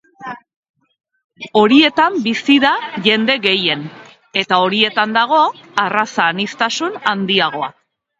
Horietan bizi da jende gehien, eta horietan dago arraza aniztasun handiagoa.